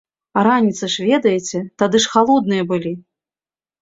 А раніцы ж, ведаеце, тады халодныя былі.